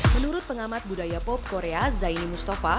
menurut pengamat budaya pop korea zaini mustafa